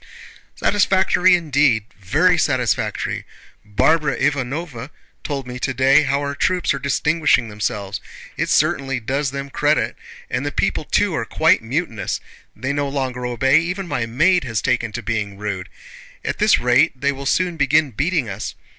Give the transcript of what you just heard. "Satisfactory, indeed! Very satisfactory! Barbara Ivánovna told me today how our troops are distinguishing themselves. It certainly does them credit! And the people too are quite mutinous—they no longer obey, even my maid has taken to being rude. At this rate they will soon begin beating us.